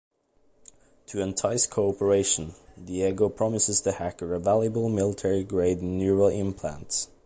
To entice cooperation, Diego promises the hacker a valuable military grade neural implant.